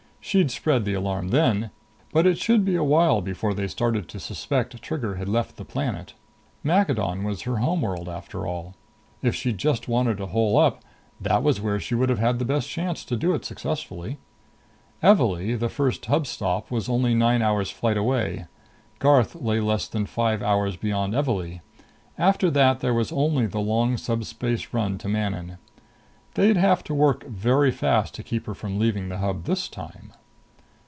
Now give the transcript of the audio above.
She'd spread the alarm then, but it should be a while before they started to suspect Trigger had left the planet. Maccadon was her home world, after all. If she'd just wanted to hole up, that was where she would have had the best chance to do it successfully. Evalee, the first Hub stop, was only nine hours' flight away; Garth lay less than five hours beyond Evalee. After that there was only the long subspace run to Manon.... They'd have to work very fast to keep her from leaving the Hub this time!